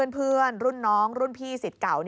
เพื่อนรุ่นน้องรุ่นพี่สิทธิ์เก่า